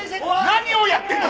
何をやってるんだ！？